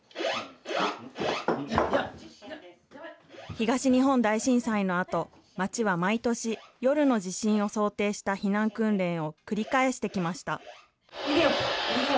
東日本大震災のあと、町は毎年、夜の地震を想定した避難訓練を繰り返してきました。